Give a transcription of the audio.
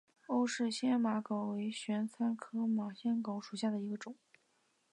欧氏马先蒿为玄参科马先蒿属下的一个种。